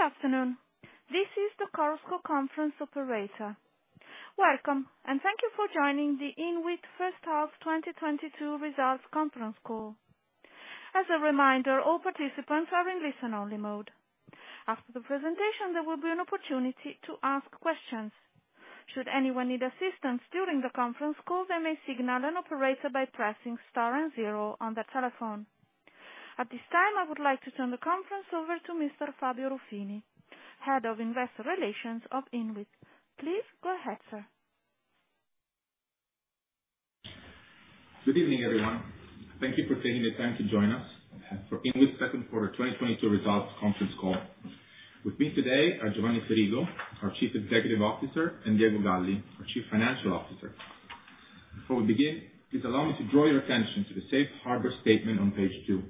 Good afternoon. This is the Chorus Call conference operator. Welcome, and thank you for joining the Inwit First Half 2022 Results Conference Call. As a reminder, all participants are in listen-only mode. After the presentation, there will be an opportunity to ask questions. Should anyone need assistance during the conference call, they may signal an operator by pressing star and zero on their telephone. At this time, I would like to turn the conference over to Mr. Fabio Ruffini, Head of Investor Relations of Inwit. Please go ahead, sir. Good evening, everyone. Thank you for taking the time to join us for Inwit Second Quarter 2022 Results Conference Call. With me today are Giovanni Ferigo, our Chief Executive Officer, and Diego Galli, our Chief Financial Officer. Before we begin, please allow me to draw your attention to the safe harbor statement on page two.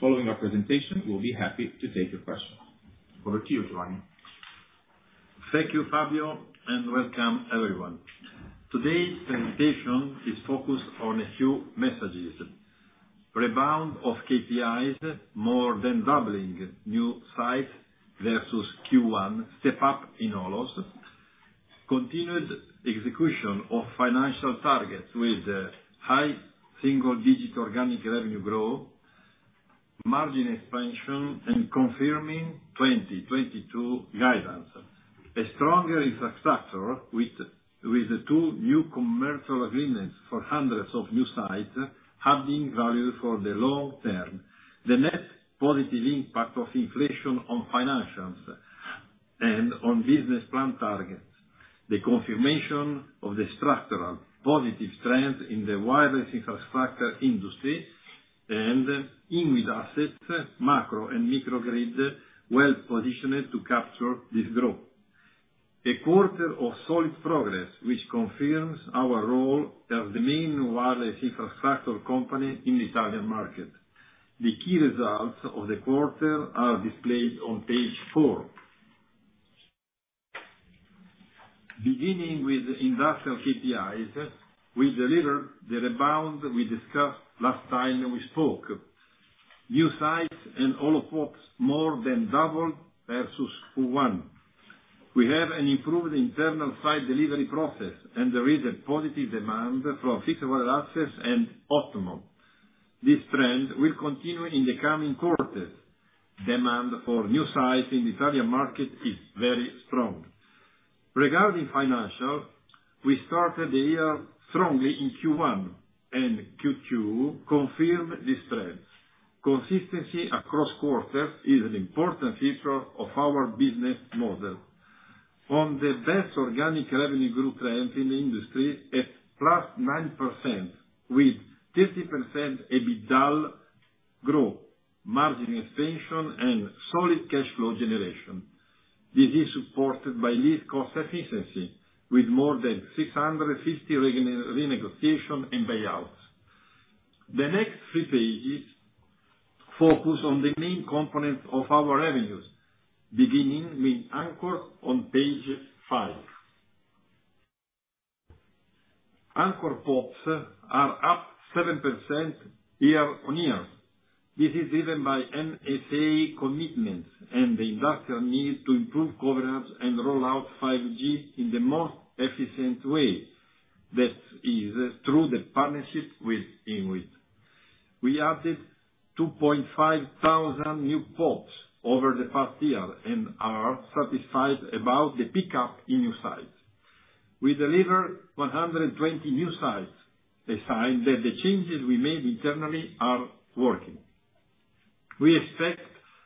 Following our presentation, we'll be happy to take your questions. Over to you, Giovanni. Thank you, Fabio, and welcome everyone. Today's presentation is focused on a few messages. Rebound of KPIs, more than doubling new sites versus Q1, step up in all of. Continued execution of financial targets with high single-digit organic revenue growth, margin expansion and confirming 2022 guidance. A stronger infrastructure with two new commercial agreements for hundreds of new sites, adding value for the long term. The net positive impact of inflation on financials and on business plan targets. The confirmation of the structural positive trend in the wireless infrastructure industry and Inwit assets, macro and microgrid, well-positioned to capture this growth. A quarter of solid progress, which confirms our role as the main wireless infrastructure company in Italian market. The key results of the quarter are displayed on page four. Beginning with industrial KPIs, we delivered the rebound we discussed last time we spoke. New sites and all POPs more than doubled versus Q1. We have an improved internal site delivery process and there is a positive demand for fixed wireless access and Optimo. This trend will continue in the coming quarters. Demand for new sites in Italian market is very strong. Regarding financials, we started the year strongly in Q1 and Q2 confirmed this trend. Consistency across quarters is an important feature of our business model. On the best organic revenue growth trend in the industry at +9% with 30% EBITDA growth, margin expansion and solid cash flow generation. This is supported by lease cost efficiency with more than 650 renegotiations and buyouts. The next three pages focus on the main components of our revenues, beginning with anchor on page five. Anchor POPs are up 7% year-on-year. This is driven by NSA commitments and the industrial need to improve governance and roll out 5G in the most efficient way. That is through the partnership with Inwit. We added 2,500 new POPs over the past year and are satisfied about the pickup in new sites. We delivered 120 new sites, a sign that the changes we made internally are working. We expect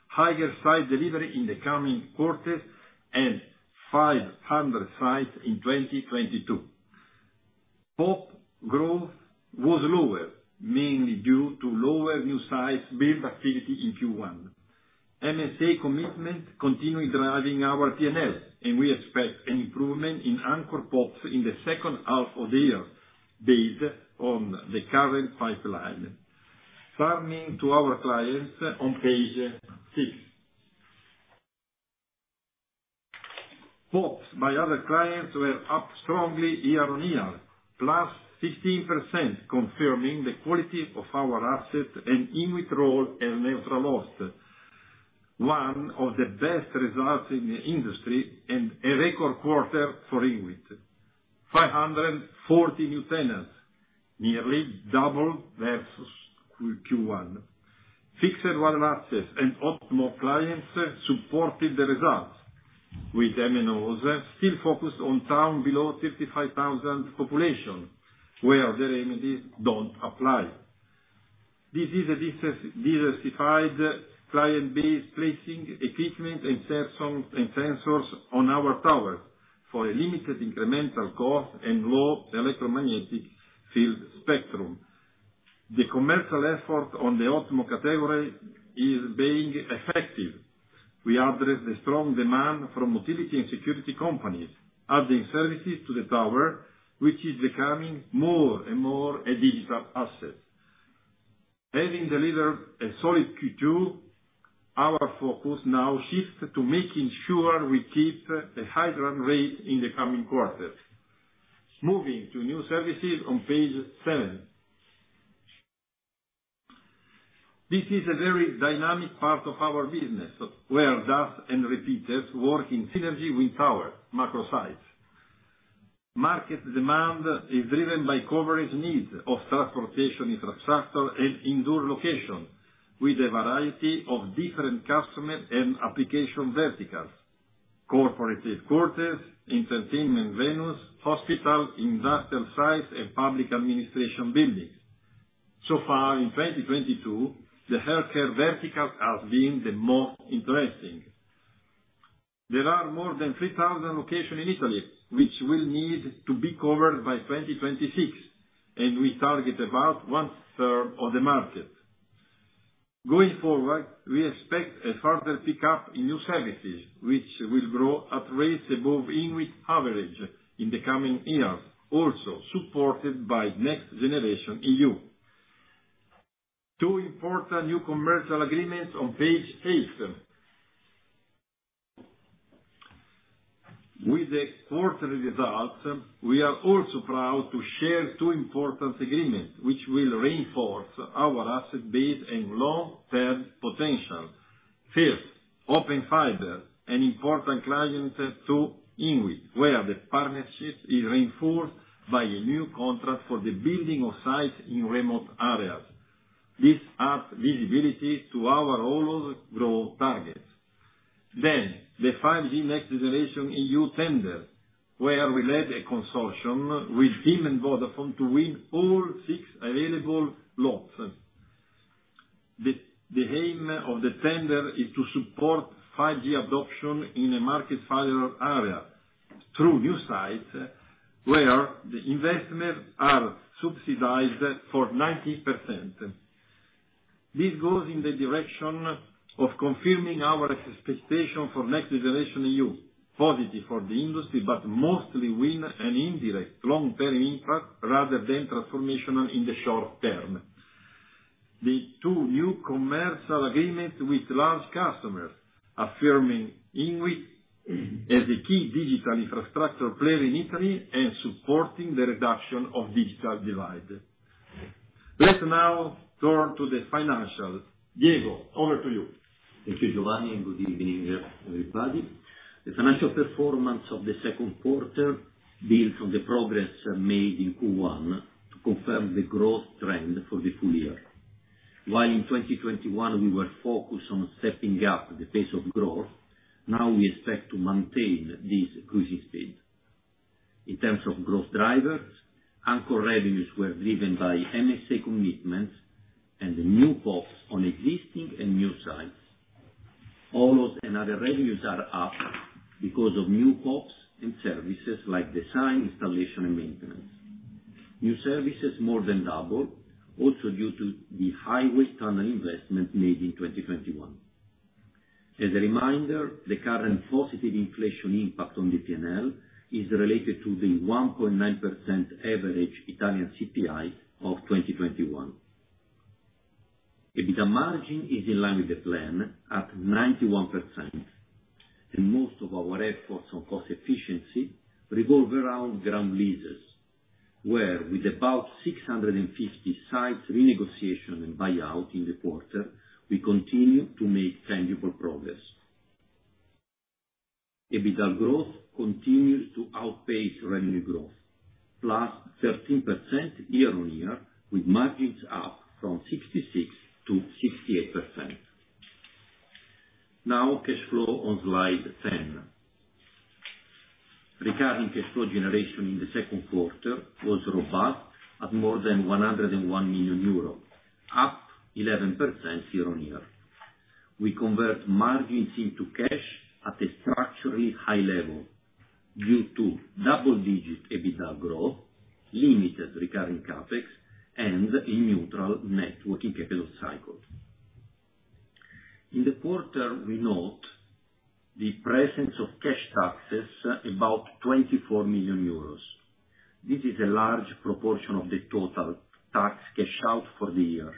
higher site delivery in the coming quarters and 500 sites in 2022. POP growth was lower, mainly due to lower new sites build activity in Q1. NSA commitment continuing driving our P&L, and we expect an improvement in anchor POPs in the second half of the year based on the current pipeline. Turning to our clients on page six. PoPs by other clients were up strongly year-on-year, plus 15%, confirming the quality of our assets and Inwit's role as neutral host. One of the best results in the industry and a record quarter for Inwit. 540 new tenants, nearly double versus Q1. Fixed wireless access and Optimo clients supported the results with MNOs still focused on towns below 35,000 population, where their remedies don't apply. This is a diversified client base placing equipment and sensors on our towers for a limited incremental cost and low electromagnetic field spectrum. The commercial effort on the Optimo category is being effective. We address the strong demand from mobility and security companies, adding services to the tower, which is becoming more and more a digital asset. Having delivered a solid Q2, our focus now shifts to making sure we keep a high run rate in the coming quarters. Moving to new services on page seven. This is a very dynamic part of our business, where DAS and repeaters work in synergy with tower macro sites. Market demand is driven by coverage needs of transportation infrastructure and indoor location, with a variety of different customer and application verticals. Corporate headquarters, entertainment venues, hospitals, industrial sites, and public administration buildings. So far in 2022, the healthcare verticals have been the most interesting. There are more than 3,000 locations in Italy which will need to be covered by 2026, and we target about one-third of the market. Going forward, we expect a further pickup in new services, which will grow at rates above Inwit average in the coming years, also supported by Next Generation EU. Two important new commercial agreements on page eight. With the quarterly results, we are also proud to share two important agreements which will reinforce our asset base and long-term potential. First, Open Fiber, an important client to Inwit, where the partnership is reinforced by a new contract for the building of sites in remote areas. This adds visibility to our overall growth targets. The 5G Next Generation EU tender, where we led a consortium with TIM and Vodafone to win all six available lots. The aim of the tender is to support 5G adoption in white areas through new sites where the investments are subsidized for 90%. This goes in the direction of confirming our expectation for Next Generation EU, positive for the industry, but mostly with an indirect long-term impact rather than transformational in the short term. The two new commercial agreements with large customers affirming Inwit as a key digital infrastructure player in Italy and supporting the reduction of digital divide. Let's now turn to the financials. Diego, over to you. Thank you, Giovanni, and good evening, everybody. The financial performance of the second quarter built on the progress made in Q1 to confirm the growth trend for the full year. While in 2021 we were focused on stepping up the pace of growth, now we expect to maintain this cruising speed. In terms of growth drivers, anchor revenues were driven by MSA commitments and new pops on existing and new sites. All those and other revenues are up because of new pops in services like design, installation, and maintenance. New services more than doubled, also due to the highway tunnel investment made in 2021. As a reminder, the current positive inflation impact on the P&L is related to the 1.9% average Italian CPI of 2021. EBITDA margin is in line with the plan at 91%, and most of our efforts on cost efficiency revolve around ground leases, where, with about 650 sites renegotiation and buyout in the quarter, we continue to make tangible progress. EBITDA growth continues to outpace revenue growth +13% year-on-year, with margins up from 66%-68%. Now cash flow on slide 10. Recurring cash flow generation in the second quarter was robust at more than 101 million euros, up 11% year-on-year. We convert margins into cash at a structurally high level due to double-digit EBITDA growth, limited recurring CapEx, and a neutral net working capital cycle. In the quarter, we note the presence of cash taxes about 24 million euros. This is a large proportion of the total tax cash out for the year,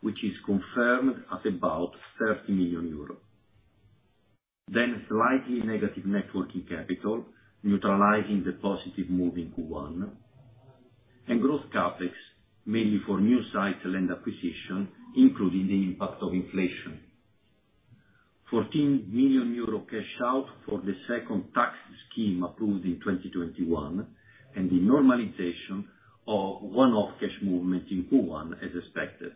which is confirmed at about 30 million euros. Slightly negative working capital, neutralizing the positive move in Q1, and growth CapEx mainly for new sites and acquisition, including the impact of inflation. 14 million euro cash out for the second tax scheme approved in 2021, and the normalization of one-off cash movement in Q1 as expected.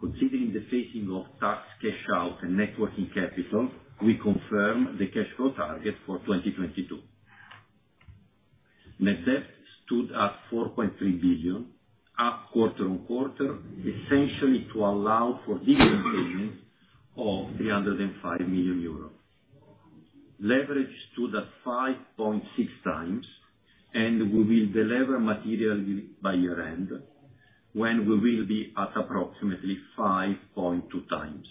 Considering the phasing of tax cash out and working capital, we confirm the cash flow target for 2022. Net debt stood at 4.3 billion, up quarter-on-quarter, essentially to allow for dividend payment of 305 million euros. Leverage stood at 5.6 times, and we will deliver materially by year-end, when we will be at approximately 5.2 times.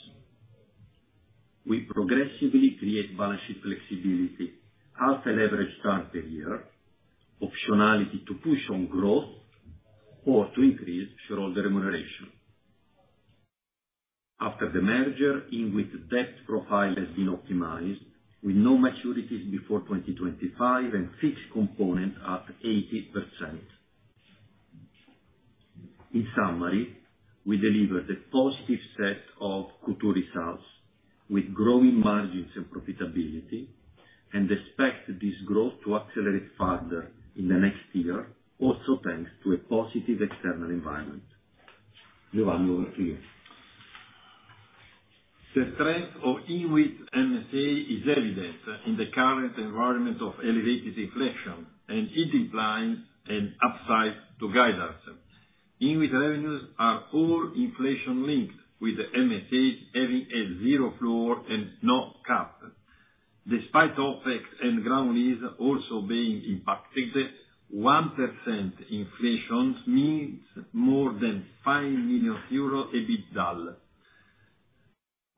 We progressively create balance sheet flexibility as a leverage target here, optionality to push on growth or to increase shareholder remuneration. After the merger, Inwit debt profile has been optimized with no maturities before 2025 and fixed component at 80%. In summary, we delivered a positive set of group results with growing margins and profitability, and expect this growth to accelerate further in the next year also thanks to a positive external environment. Giovanni, over to you. The strength of Inwit MSA is evident in the current environment of elevated inflation, and it implies an upside to guidance. Inwit revenues are all inflation-linked, with the MSAs having a zero floor and no cap. Despite OpEx and ground lease also being impacted, 1% inflation means more than 5 million euros EBITDA.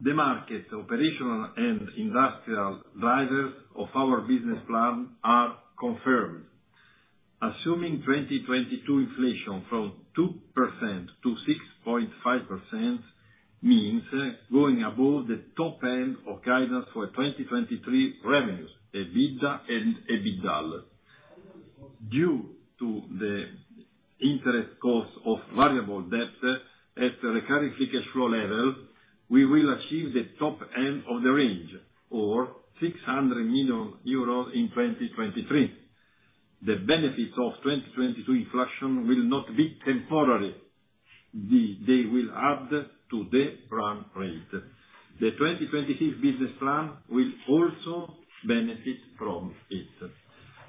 The market operational and industrial drivers of our business plan are confirmed. Assuming 2022 inflation from 2%-6.5% means going above the top end of guidance for 2023 revenues and EBITDA. Due to the interest cost of variable debt at the recurring free cash flow level, we will achieve the top end of the range or 600 million euros in 2023. The benefits of 2022 inflation will not be temporary. They will add to the run rate. The 2026 business plan will also benefit from it.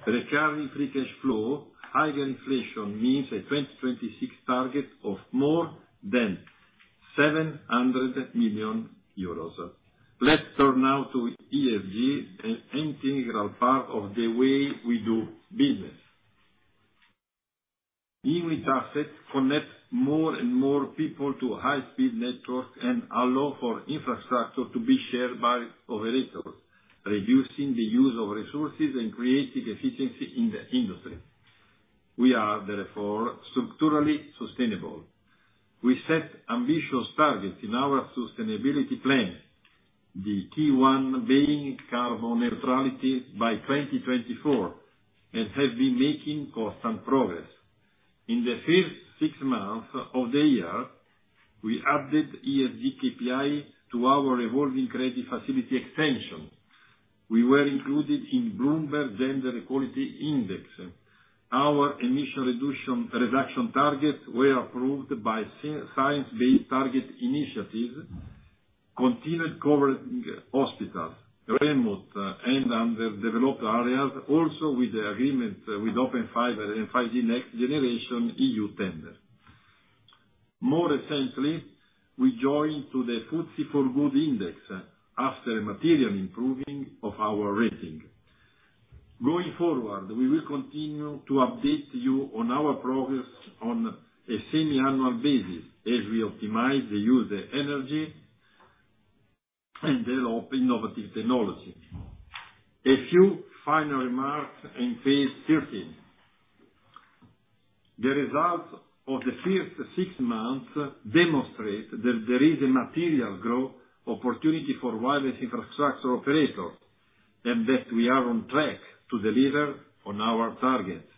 Recurring free cash flow, higher inflation means a 2026 target of more than 700 million euros. Let's turn now to ESG, an integral part of the way we do business. Inwit assets connect more and more people to high-speed network and allow for infrastructure to be shared by operators, reducing the use of resources and creating efficiency in the industry. We are therefore structurally sustainable. We set ambitious targets in our sustainability plan, the key one being carbon neutrality by 2024, and have been making constant progress. In the first six months of the year, we added ESG KPI to our revolving credit facility extension. We were included in Bloomberg Gender-Equality Index. Our emission reduction targets were approved by Science Based Targets initiative, continued covering hospitals, remote and underdeveloped areas, also with the agreement with Open Fiber and 5G Next Generation EU tender. More essentially, we joined the FTSE4Good Index after a material improvement of our rating. Going forward, we will continue to update you on our progress on a semi-annual basis as we optimize the use of energy and develop innovative technology. A few final remarks on page 13. The results of the first six months demonstrate that there is a material growth opportunity for wireless infrastructure operators, and that we are on track to deliver on our targets.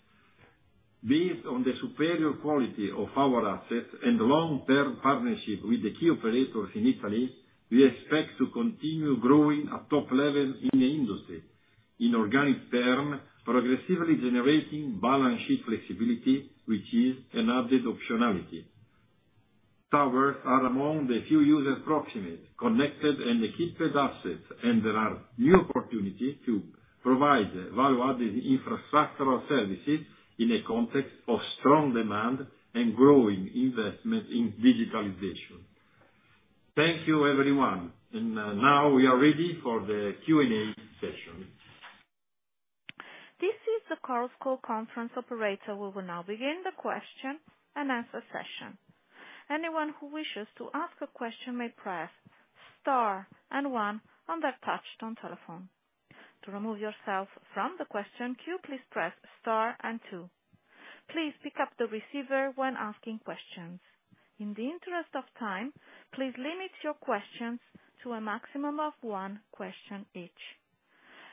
Based on the superior quality of our assets and long-term partnership with the key operators in Italy, we expect to continue growing at top level in the industry in organic terms, progressively generating balance sheet flexibility, which is an added optionality. Towers are among the few user proximate, connected and equipped assets, and there are new opportunities to provide value-added infrastructural services in a context of strong demand and growing investment in digitalization. Thank you, everyone. Now, we are ready for the Q&A session. This is the Chorus Call conference operator. We will now begin the question and answer session. Anyone who wishes to ask a question may press star and one on their touchtone telephone. To remove yourself from the question queue, please press star and two. Please pick up the receiver when asking questions. In the interest of time, please limit your questions to a maximum of one question each.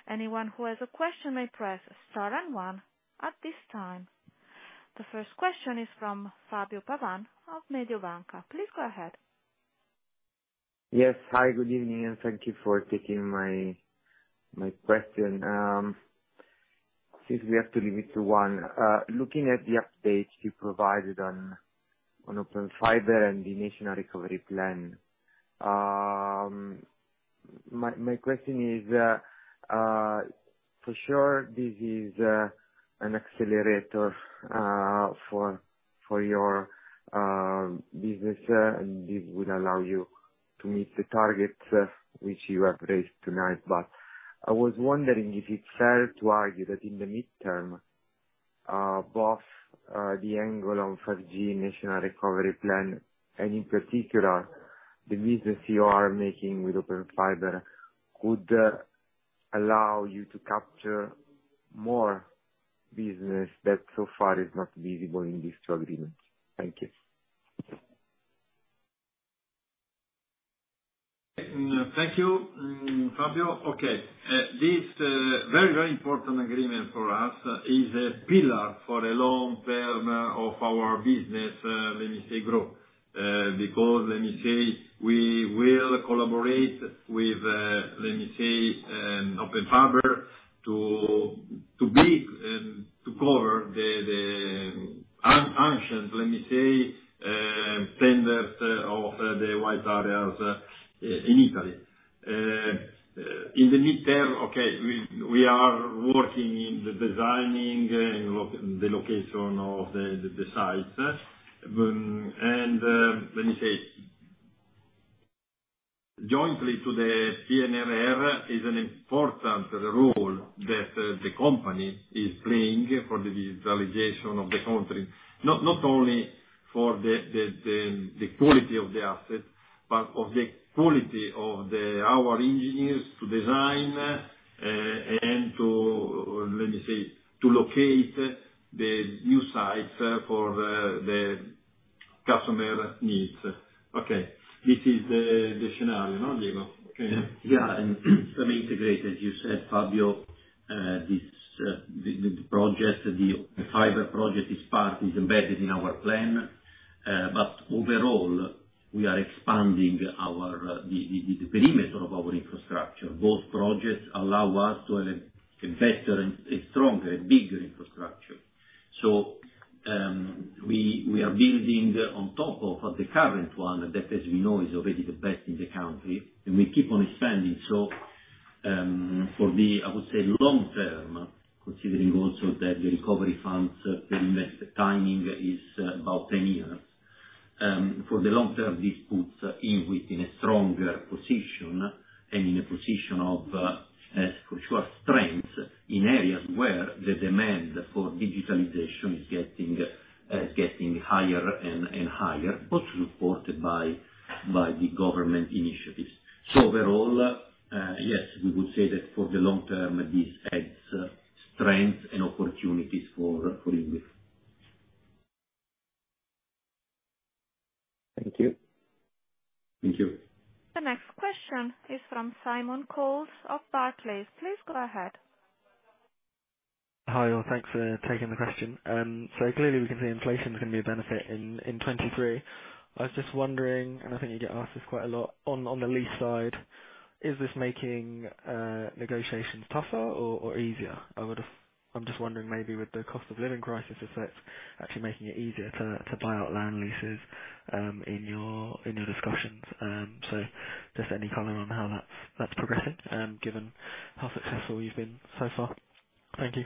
Anyone who has a question may press star and one at this time. The first question is from Fabio Pavan of Mediobanca. Please go ahead. Yes. Hi, good evening, and thank you for taking my question. Since we have to limit to one, looking at the update you provided on Open Fiber and the National Recovery Plan, my question is, for sure this is an accelerator for your business. This would allow you to meet the targets which you have raised tonight. I was wondering if it's fair to argue that in the midterm, both the angle on 5G National Recovery Plan and in particular the business you are making with Open Fiber could allow you to capture more- Business that so far is not visible in these two agreements. Thank you. Thank you, Fabio. Okay. This very, very important agreement for us is a pillar for the long term of our business, let me say growth. Because, let me say, we will collaborate with, let me say, Open Fiber to build and to cover the unserved, let me say, tenders of the white areas in Italy. In the midterm, okay, we are working in the designing and the location of the sites. Let me say, jointly to the PNRR is an important role that the company is playing for the digitalization of the country, not only for the quality of the asset, but of the quality of our engineers to design, and to let me say, to locate the new sites for the customer needs. Okay. This is the scenario, no Diego? Yeah. Let me integrate, as you said, Fabio, this, the project, the fiber project, this part is embedded in our plan. But overall, we are expanding the perimeter of our infrastructure. Both projects allow us to have a better and a stronger and bigger infrastructure. We are building on top of the current one that, as we know, is already the best in the country, and we keep on expanding. For the long term, considering also that the recovery funds investment timing is about 10 years, for the long term, this puts Inwit in a stronger position and in a position of strength in areas where the demand for digitalization is getting higher and higher, also supported by the government initiatives. Overall, yes, we would say that for the long term, this adds strength and opportunities for Inwit. Thank you. The next question is from Simon Coles of Barclays. Please go ahead. Hi all. Thanks for taking the question. Clearly we can see inflation is gonna be a benefit in 2023. I was just wondering, and I think you get asked this quite a lot on the lease side, is this making negotiations tougher or easier? I'm just wondering maybe with the cost of living crisis, if that's actually making it easier to buy out land leases in your discussions. Just any comment on how that's progressing, given how successful you've been so far. Thank you.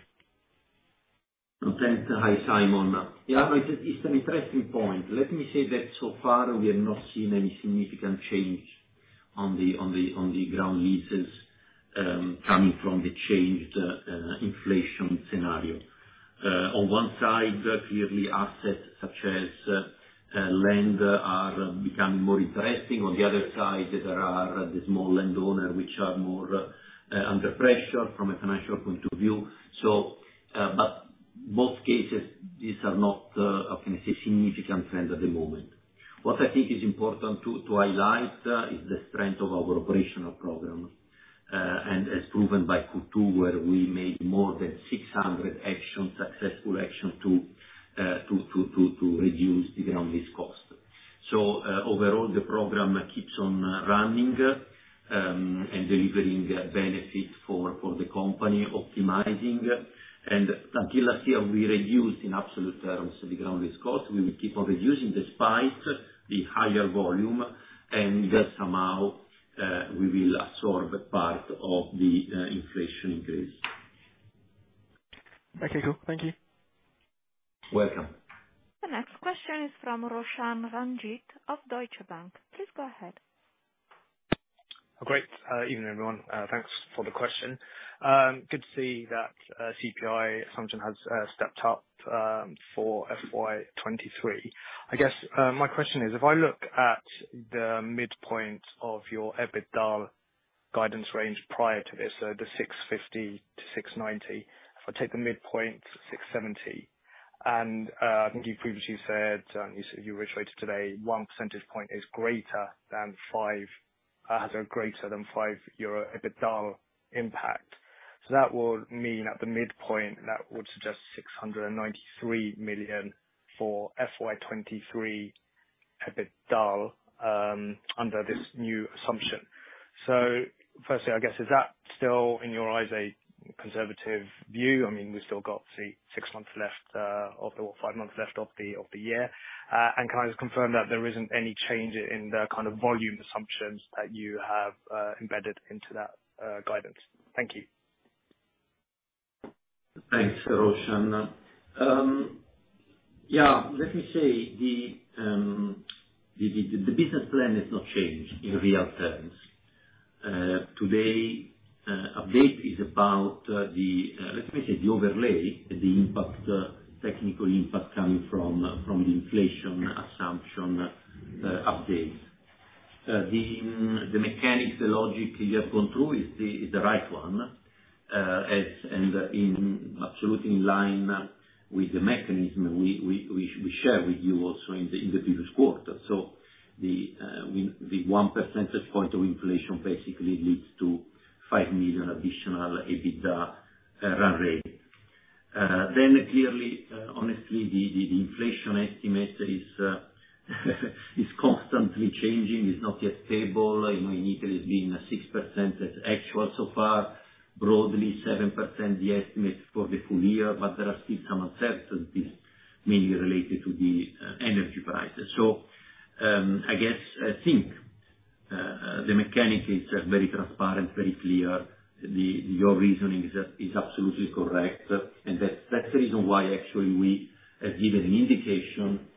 Okay. Hi, Simon. Yeah, it is an interesting point. Let me say that so far we have not seen any significant change on the ground leases coming from the changed inflation scenario. On one side, clearly assets such as land are becoming more interesting. On the other side, there are the small landowners which are more under pressure from a financial point of view. In both cases, these are not, I can say, significant trends at the moment. What I think is important to highlight is the strength of our operational program, as proven by Q2, where we made more than 600 successful actions to reduce the ground lease cost. Overall, the program keeps on running and delivering benefits for the company, optimizing. Until last year, we reduced in absolute terms the ground lease cost. We will keep on reducing despite the higher volume, and that somehow we will absorb part of the inflation increase. Okay, cool. Thank you. Welcome. The next question is from Roshan Ranjit of Deutsche Bank. Please go ahead. Good evening, everyone. Thanks for the question. Good to see that CPI assumption has stepped up for FY 2023. I guess my question is, if I look at the midpoint of your EBITDA guidance range prior to this, so the 650 million-690 million. If I take the midpoint 670 million, and I think you previously said you reiterated today 1 percentage point has a greater than 5 million euro EBITDA impact. That would mean at the midpoint, that would suggest 693 million for FY 2023 EBITDA under this new assumption. Firstly, I guess, is that still in your eyes a conservative view? I mean, we've still got six months left or five months left of the year. Can I just confirm that there isn't any change in the kind of volume assumptions that you have embedded into that guidance? Thank you. Thanks, Roshan. Yeah, let me say the business plan has not changed in real terms. Today's update is about the overlay, the impact, technical impact coming from the inflation assumption updates. The mechanics, the logic you have gone through is the right one. As is absolutely in line with the mechanism we share with you also in the previous quarter. The 1 percentage point of inflation basically leads to 5 million additional EBITDA run rate. Clearly, honestly, the inflation estimate is constantly changing, is not yet stable. You know, in Italy it's been 6% as actual so far, broadly 7% the estimate for the full year, but there are still some uncertainties mainly related to the energy prices. I guess I think the mechanism is very transparent, very clear. Your reasoning is absolutely correct. That's the reason why actually we have given an indication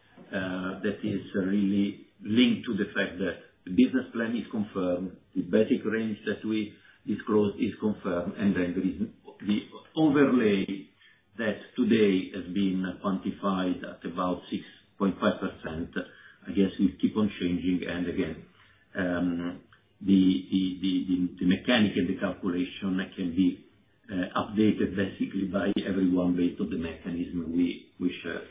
that is really linked to the fact that the business plan is confirmed, the basic range that we disclose is confirmed. Then there is the overlay that today has been quantified at about 6.5%. I guess it'll keep on changing. Again, the mechanism and the calculation can be updated basically by everyone based on the mechanism we share.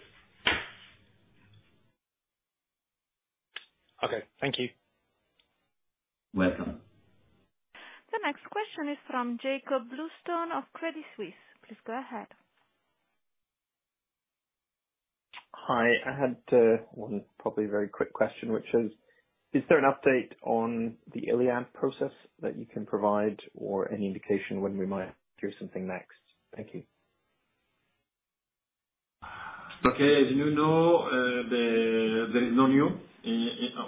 Okay, thank you. Welcome. The next question is from Jakob Bluestone of Credit Suisse. Please go ahead. Hi. I had one probably very quick question, which is there an update on the Iliad process that you can provide or any indication when we might hear something next? Thank you. Okay. As you know, there is no news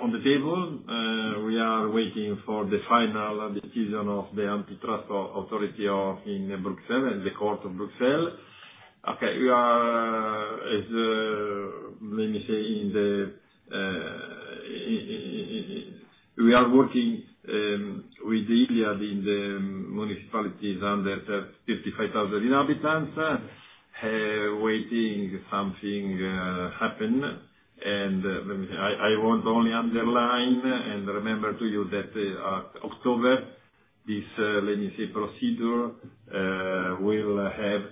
on the table. We are waiting for the final decision of the European Commission in Brussels and the Court of Brussels. Okay. We are, as let me say, in the. We are working with Iliad in the municipalities under 55,000 inhabitants, waiting something happen. Let me say, I want to only underline and remind you that, in October, this procedure will have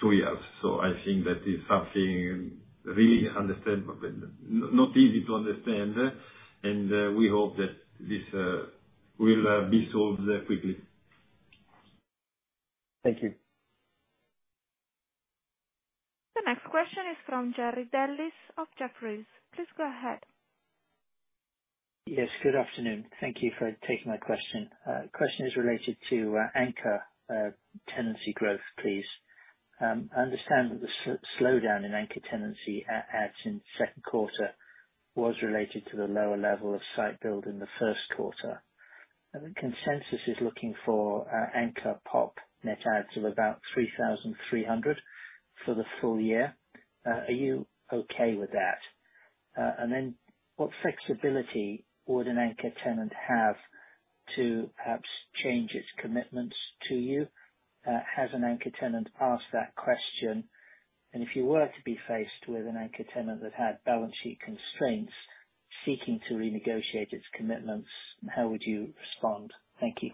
two years. I think that is something really to understand, but not easy to understand, and we hope that this will be solved quickly. Thank you. The next question is from Jerry Dellis of Jefferies. Please go ahead. Yes, good afternoon. Thank you for taking my question. Question is related to Anchor tenancy growth, please. I understand that the slowdown in Anchor tenancy adds in second quarter was related to the lower level of site build in the first quarter. The consensus is looking for Anchor POP net adds of about 3,300 for the full year. Are you okay with that? And then what flexibility would an Anchor tenant have to perhaps change its commitments to you? Has an Anchor tenant asked that question? If you were to be faced with an Anchor tenant that had balance sheet constraints seeking to renegotiate its commitments, how would you respond? Thank you.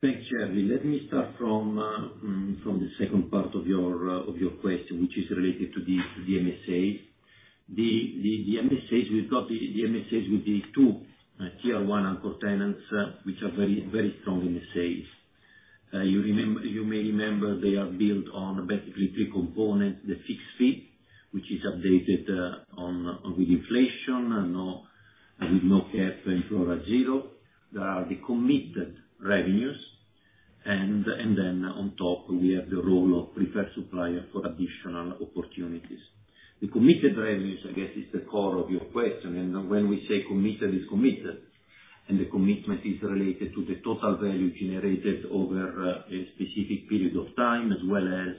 Thanks, Jerry. Let me start from the second part of your question, which is related to the MSAs. The MSAs, we've got the MSAs with these two tier one anchor tenants, which are very strong MSAs. You may remember they are built on basically three components, the fixed fee, which is updated with inflation, with no CapEx or a zero. There are the committed revenues. Then on top, we have the role of preferred supplier for additional opportunities. The committed revenues, I guess, is the core of your question. When we say committed is committed, and the commitment is related to the total value generated over a specific period of time, as well as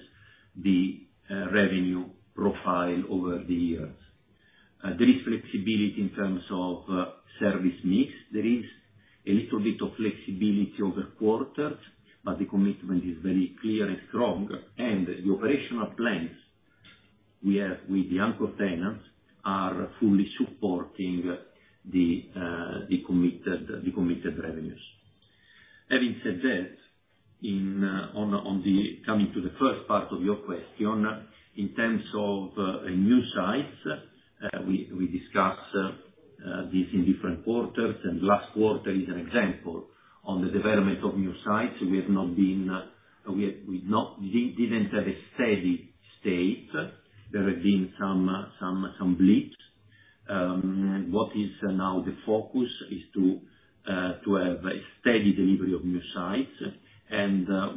the revenue profile over the years. There is flexibility in terms of service mix. There is a little bit of flexibility over quarters, but the commitment is very clear and strong. The operational plans we have with the anchor tenants are fully supporting the committed revenues. Having said that, coming to the first part of your question, in terms of new sites, we discuss this in different quarters, and last quarter is an example. On the development of new sites, we have not been. We've not really been at a steady state. There have been some blips. What is now the focus is to have a steady delivery of new sites.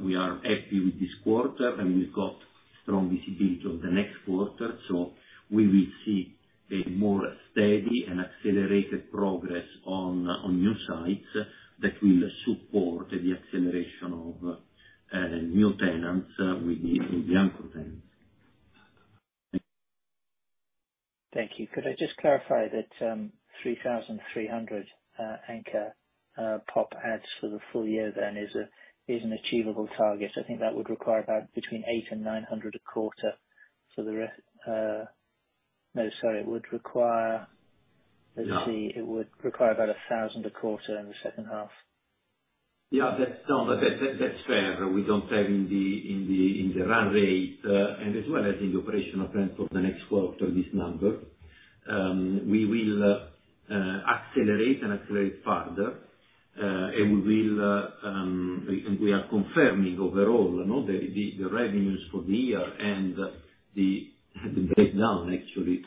We are happy with this quarter, and we've got strong visibility on the next quarter. We will see a more steady and accelerated progress on new sites that will support the acceleration of new tenants with the Anchor tenants. Thank you. Could I just clarify that 3,300 anchor POP adds for the full year then is an achievable target? I think that would require about between 800 and 900 a quarter. No, sorry. It would require, let's see, about 1,000 a quarter in the second half. That's fair. We don't have in the run rate, and as well as in the operational plan for the next quarter, this number. We will accelerate further, and we are confirming overall, you know, the revenues for the year and the breakdown actually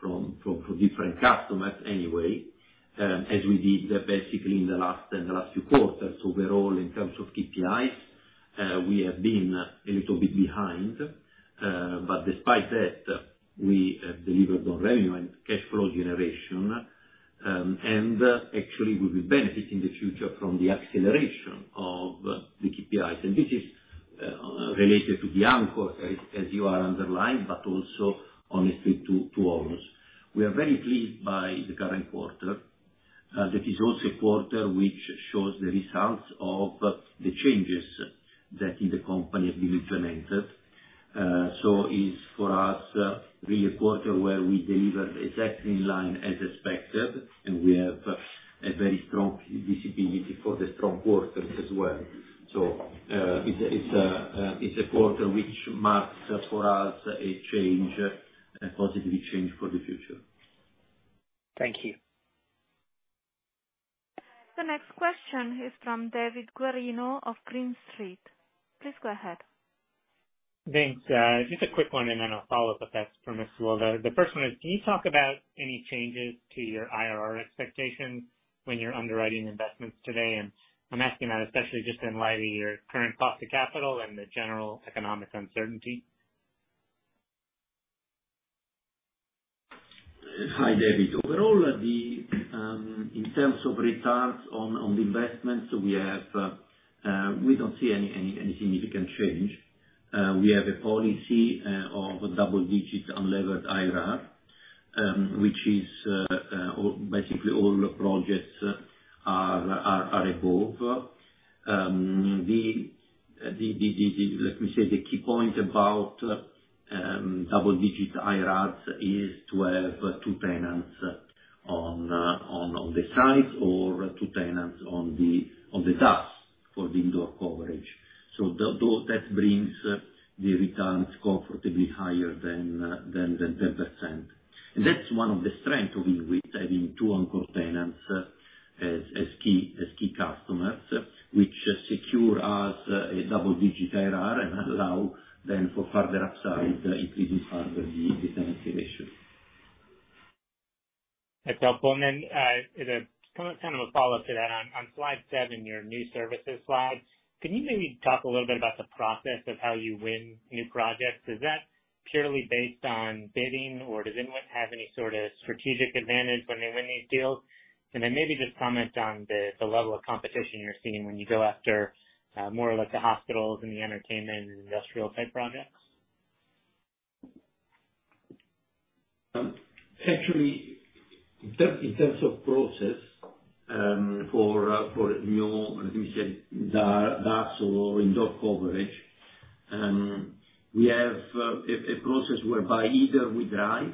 from different customers anyway, as we did basically in the last few quarters. Overall in terms of KPIs, we have been a little bit behind. Despite that, we have delivered on revenue and cash flow generation. Actually we will benefit in the future from the acceleration of the KPIs. This is related to the anchor as you underlined, but also honestly to all. We are very pleased by the current quarter. That is also a quarter which shows the results of the changes that in the company have been implemented. Is for us really a quarter where we delivered exactly in line as expected, and we have a very strong visibility for the strong quarters as well. It's a quarter which marks for us a change, a positive change for the future. Thank you. The next question is from David Guarino of Green Street. Please go ahead. Thanks. Just a quick one and then I'll follow up if that's permissible. The first one is, can you talk about any changes to your IRR expectations when you're underwriting investments today? I'm asking that especially just in light of your current cost of capital and the general economic uncertainty. Hi, David. Overall, in terms of returns on the investments, we don't see any significant change. We have a policy of double-digit unlevered IRR, which is basically all projects are above. Let me say the key point about double-digit IRRs is to have two tenants on the site or two tenants on the DAS for the indoor coverage. That brings the returns comfortably higher than the 10%. That's one of the strength we with having two anchor tenants as key customers, which secure us a double-digit IRR and allow then for further upside, if we decide the business situation. That's helpful. As a kind of a follow up to that, on slide seven, your new services slide. Can you maybe talk a little bit about the process of how you win new projects? Is that purely based on bidding, or does Inwit have any sort of strategic advantage when they win these deals? Maybe just comment on the level of competition you're seeing when you go after more of like the hospitals and the entertainment and industrial type projects. Actually, in terms of process, for new, let me say DAS or indoor coverage, we have a process whereby either we drive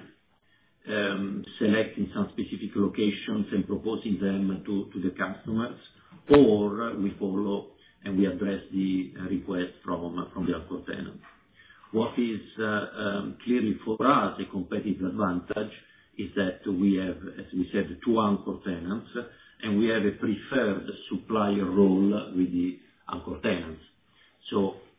selecting some specific locations and proposing them to the customers, or we follow and we address the request from the anchor tenant. What is clearly for us a competitive advantage is that we have, as we said, two anchor tenants, and we have a preferred supplier role with the anchor tenants.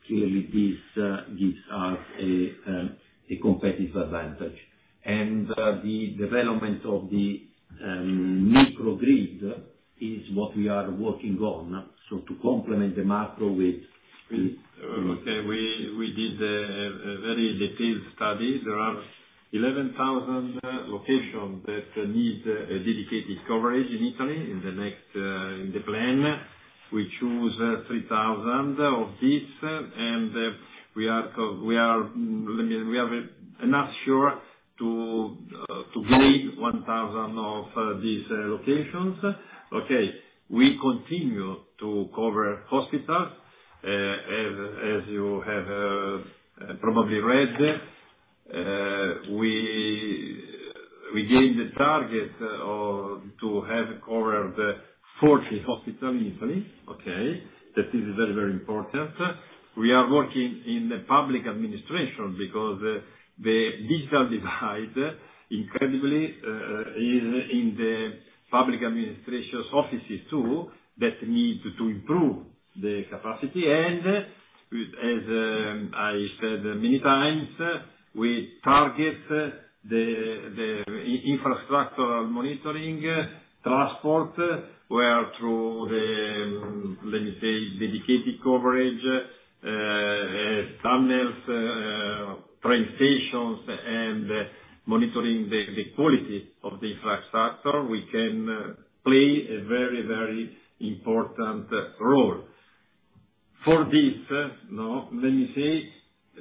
Clearly this gives us a competitive advantage. The development of the microgrid is what we are working on. To complement the macro with- We did a very detailed study. There are 11,000 locations that need a dedicated coverage in Italy in the next in the plan. We choose 3,000 of these, and we are sure to upgrade 1,000 of these locations. Okay. We continue to cover hospitals as you have probably read. We gained the target of to have covered 40 hospitals in Italy. Okay. That is very, very important. We are working in the public administration because the digital divide incredibly is in the public administration's offices too, that need to improve the capacity. As I said many times, we target the infrastructure monitoring transport, where, through the, let me say, dedicated coverage, as tunnels, train stations and monitoring the quality of the infrastructure. We can play a very important role. Let me say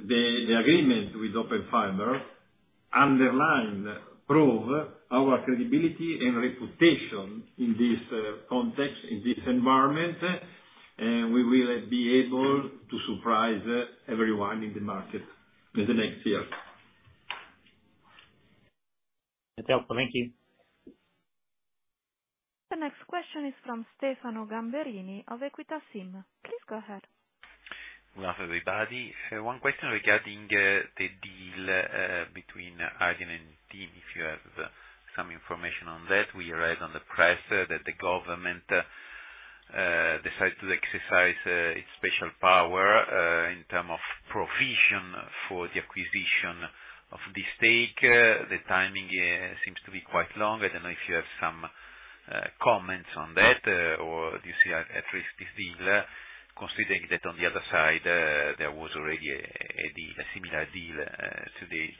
the agreement with Open Fiber underlines, proves our credibility and reputation in this context, in this environment, and we will be able to surprise everyone in the market in the next year. Matteo, thank you. The next question is from Stefano Gamberini of Equita SIM. Please go ahead. Good afternoon, everybody. One question regarding the deal between Ardian and TIM, if you have some information on that. We read in the press that the government decided to exercise its Golden Power in terms of provision for the acquisition of this stake. The timing seems to be quite long. I don't know if you have some comments on that, or do you see at risk this deal, considering that on the other side there was already a similar deal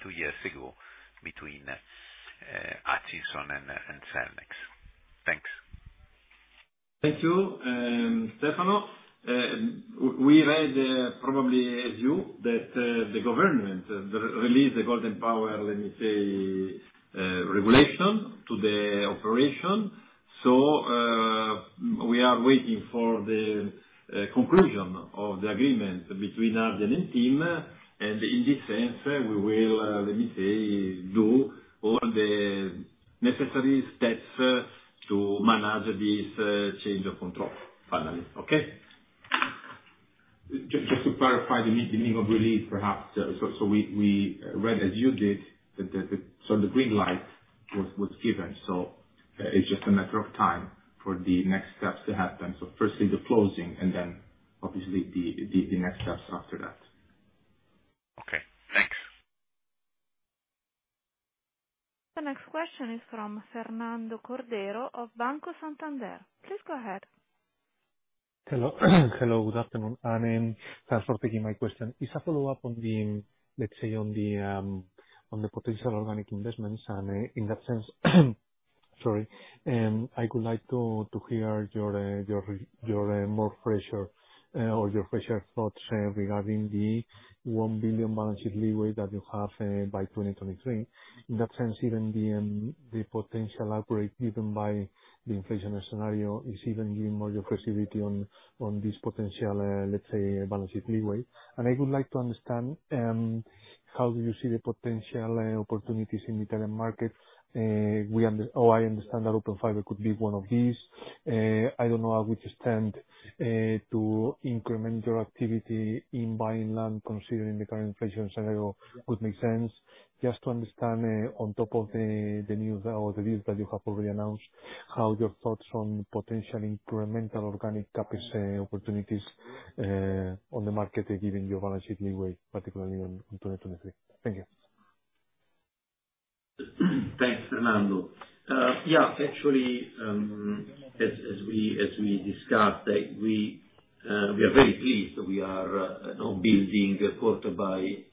two years ago between Hutchison and Cellnex. Thanks. Thank you, Stefano. We read probably as you that the government released the Golden Power, let me say, regulation to the operation. We are waiting for the conclusion of the agreement between Ardian and TIM. In this sense, we will let me say, do all the necessary steps to manage this change of control finally. Okay? Just to clarify the meaning of release perhaps. We read as you did that the green light was given, so it's just a matter of time for the next steps to happen. First thing, the closing, and then obviously the next steps after that. Okay, thanks. The next question is from Fernando Cordero of Banco Santander. Please go ahead. Hello. Hello, good afternoon. Thanks for taking my question. It's a follow-up on the, let's say, potential organic investments. In that sense, sorry, I would like to hear your more fresher, or your fresher thoughts regarding the 1 billion balance sheet leeway that you have by 2023. In that sense, even the potential upgrade given by the inflation scenario is even giving more aggressivity on this potential, let's say, balance sheet leeway. I would like to understand how do you see the potential opportunities in Italian market? I understand that Open Fiber could be one of these. I don't know how we stand to increment your activity in buying land, considering the current inflation scenario would make sense. Just to understand, on top of the news or the deals that you have already announced, how your thoughts on potential incremental organic CapEx opportunities on the market are giving you a balance sheet leeway, particularly on 2023. Thank you. Thanks, Fernando. Yeah, actually, as we discussed, we are very pleased that we are building quarter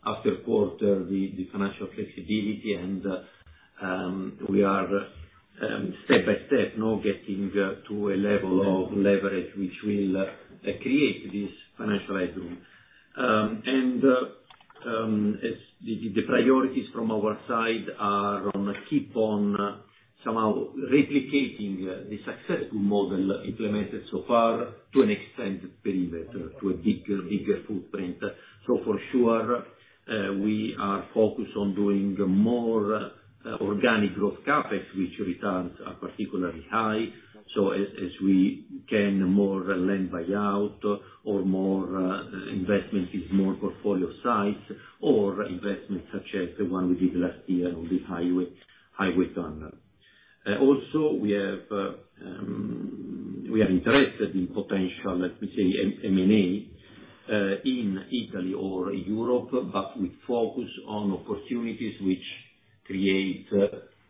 after quarter the financial flexibility and we are step-by-step now getting to a level of leverage which will create this financial headroom. As the priorities from our side are on keep on somehow replicating the successful model implemented so far to an extended perimeter, to a bigger footprint. For sure, we are focused on doing more organic growth CapEx, which returns are particularly high. As we can more land, buyout or more investment in more portfolio sites or investments such as the one we did last year on the highway tunnel. Also, we are interested in potential, let me say M&A, in Italy or Europe, but we focus on opportunities which create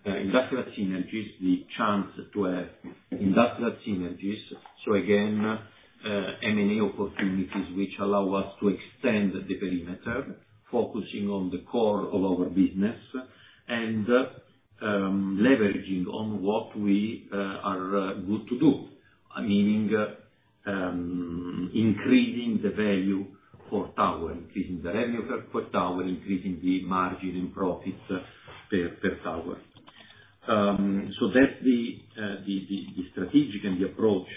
industrial synergies, the chance to have industrial synergies. Again, M&A opportunities which allow us to extend the perimeter, focusing on the core of our business and leveraging on what we are good to do. Meaning, increasing the value per tower, increasing the revenue per tower, increasing the margin in profits per tower. That's the strategic and the approach.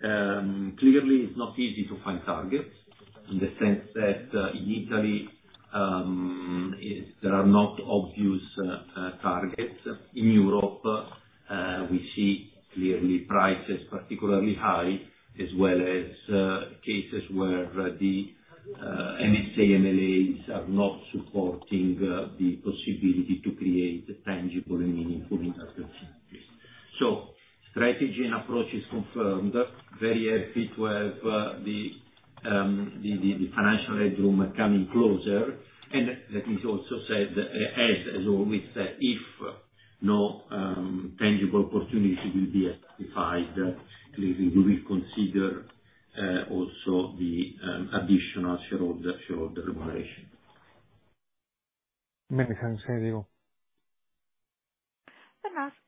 Clearly it's not easy to find targets in the sense that in Italy there are not obvious targets. In Europe, we see clearly prices particularly high as well as cases where the NSA and MNOs are not supporting the possibility to create tangible and meaningful industrial synergies. Strategy and approach is confirmed. Very happy to have the financial headroom coming closer. Let me also say that as always, if no tangible opportunity will be identified, clearly we will consider also the additional shareholder remuneration. Makes sense. Thank you.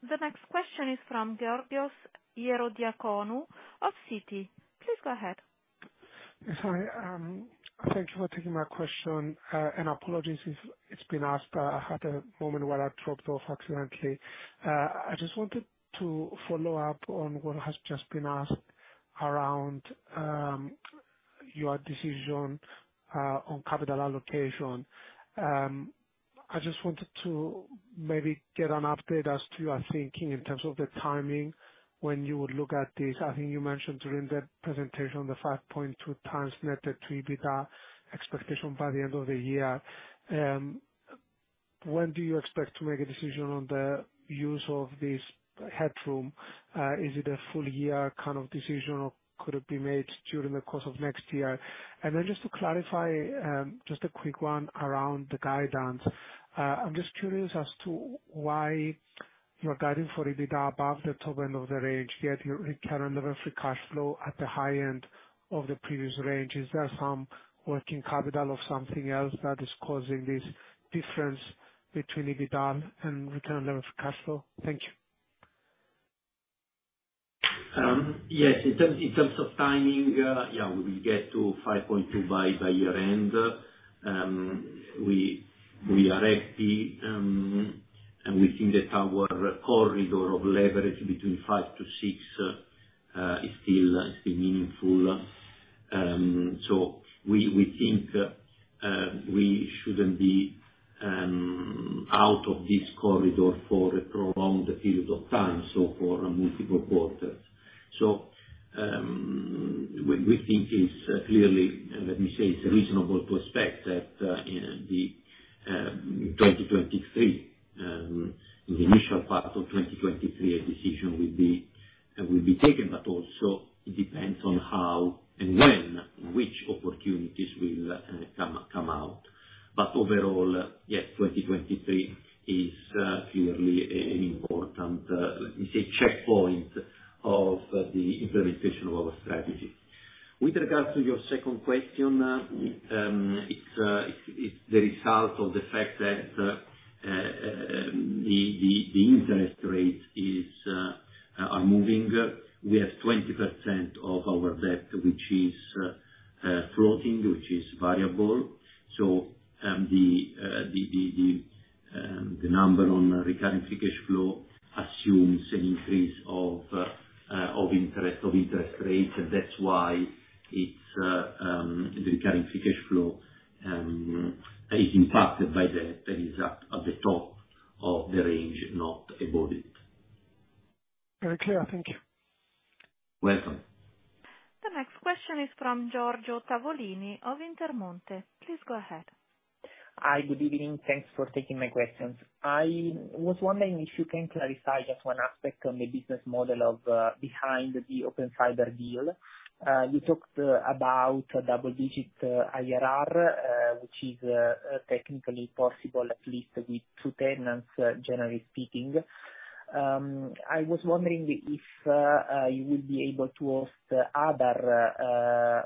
The next question is from Georgios Ierodiaconou of Citi. Please go ahead. Yes. Hi, thank you for taking my question. And apologies if it's been asked, but I had a moment where I dropped off accidentally. I just wanted to follow up on what has just been asked around your decision on capital allocation. I just wanted to maybe get an update as to your thinking in terms of the timing, when you would look at this. I think you mentioned during the presentation, the 5.2 times net debt to EBITDA expectation by the end of the year. When do you expect to make a decision on the use of this headroom? Is it a full year kind of decision, or could it be made during the course of next year? Just to clarify, just a quick one around the guidance. I'm just curious as to why you're guiding for EBITDA above the top end of the range, yet your return on equity cash flow at the high end of the previous range. Is there some working capital or something else that is causing this difference between EBITDA and return on equity cash flow? Thank you. Yes, in terms of timing, we will get to 5.2 by year end. We are happy and we think that our corridor of leverage between five to six is still meaningful. We think we shouldn't be out of this corridor for a prolonged period of time, so for multiple quarters. We think it's clearly, let me say, it's a reasonable prospect that in 2023, in the initial part of 2023, a decision will be taken. But also, it depends on how and when which opportunities will come out. But overall, yes, 2023 is clearly an important, let me say, checkpoint of the implementation of our strategy. With regard to your second question, it's the result of the fact that the interest rates are moving. We have 20% of our debt which is floating, which is variable. The number on recurring free cash flow assumes an increase of interest rates. That's why the recurring free cash flow is impacted by that. That is at the top of the range, not above it. Very clear. Thank you. Welcome. The next question is from Giorgio Tavolini of Intermonte. Please go ahead. Hi. Good evening. Thanks for taking my questions. I was wondering if you can clarify just one aspect on the business model of behind the Open Fiber deal. You talked about double digit IRR, which is technically possible, at least with two tenants, generally speaking. I was wondering if you will be able to host other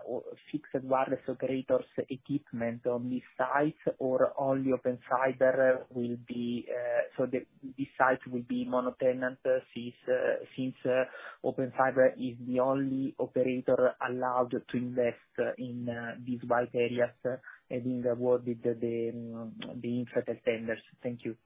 fixed wireless operators' equipment on this site or only Open Fiber will be, so this site will be mono tenant since Open Fiber is the only operator allowed to invest in these white areas having awarded the Infratel tenders. Thank you.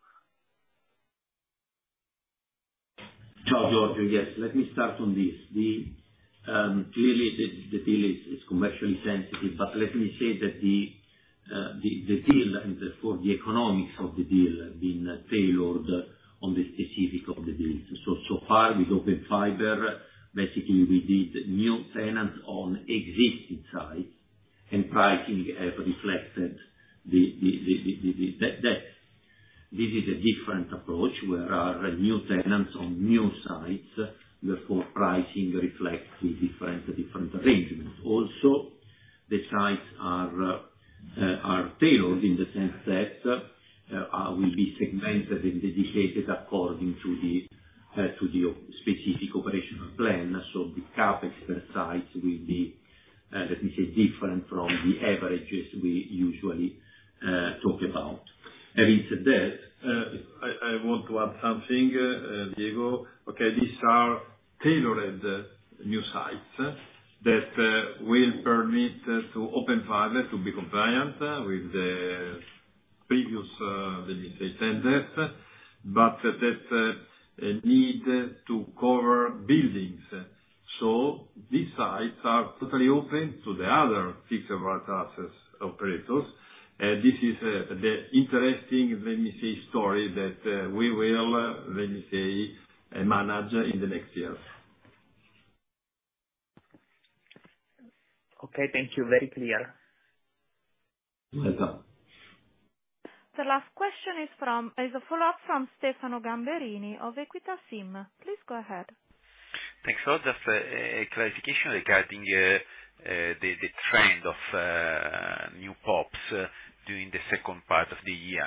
Ciao, Giorgio. Yes. Let me start on this. Clearly, the deal is commercially sensitive, but let me say that the deal and therefore the economics of the deal have been tailored to the specifics of the deal. So far with Open Fiber, basically we did new tenants on existing sites and pricing have reflected that. This is a different approach where our new tenants on new sites, therefore pricing reflects the different arrangements. Also, the sites are tailored in the sense that will be segmented and dedicated according to the specific operational plan. The CapEx per site will be, let me say, different from the averages we usually talk about. Having said that. I want to add something, Diego. Okay, these are tailored new sites that will permit to Open Fiber to be compliant with the previous, let me say tenders, but that need to cover buildings. These sites are totally open to the other fixed wireless access operators. This is the interesting, let me say, story that we will, let me say, manage in the next years. Okay. Thank you. Very clear. Welcome. The last question is a follow-up from Stefano Gamberini of Equita SIM. Please go ahead. Thanks a lot. Just a clarification regarding the trend of new POPs during the second part of the year.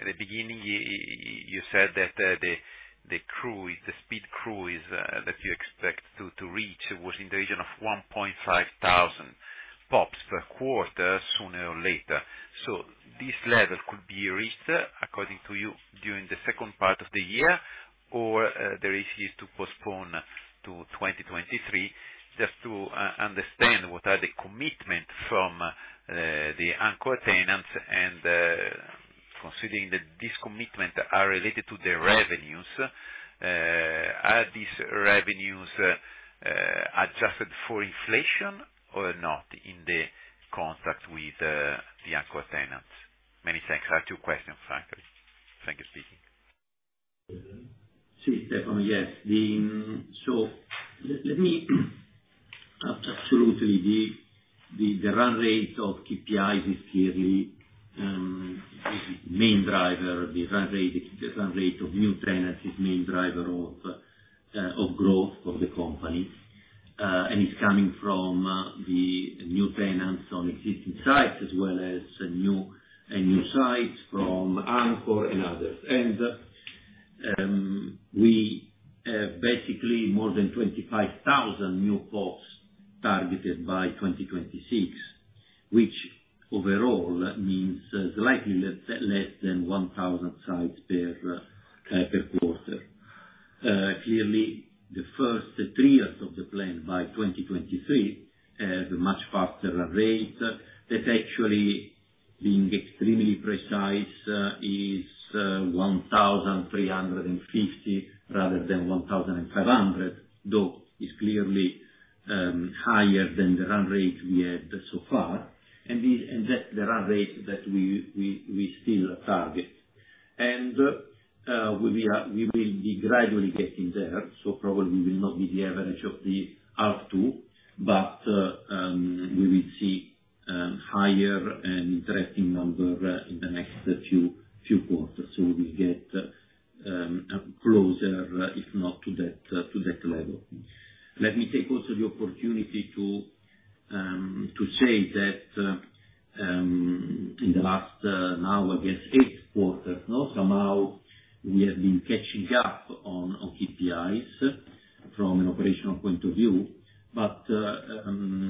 At the beginning, you said that the speed you expect to reach is in the region of 1,500 POPs per quarter, sooner or later. This level could be reached, according to you, during the second part of the year or the risk is to postpone to 2023. Just to understand what are the commitment from the anchor tenants and considering that this commitment are related to the revenues, are these revenues adjusted for inflation or not in the contract with the anchor tenants? Many thanks. I have two questions actually. Thank you, Stefano. See, Stefano, yes. Let me absolutely. The run rate of KPIs is clearly main driver. The run rate of new tenants is main driver of growth of the company, and it's coming from the new tenants on existing sites as well as new sites from anchor and others. We have basically more than 25,000 new pops targeted by 2026, which overall means slightly less than 1,000 sites per quarter. Clearly the first three years of the plan by 2023 has a much faster rate than actually being extremely precise, is 1,350 rather than 1,500, though is clearly higher than the run rate we had so far. That's the run rate that we still target. We will be gradually getting there, so probably will not be the average of the R2, but we will see higher and interesting number in the next few quarters. We will get closer, if not to that level. Let me take also the opportunity to say that, in the last, now I guess eight quarters, you know, somehow we have been catching up on KPIs from an operational point of view. Despite the